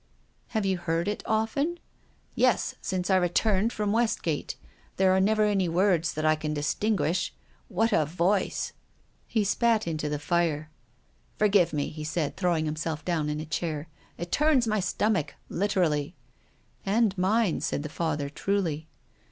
" Have you heard it often ?"" Yes, since I returned from Westgate. There are never any words that I can distinguish. What a voice !" He spat into the fire. " Forgive me," he said, throwing himself down in a chair. " It turns my stomach — literally." " And mine," said the Father, truly.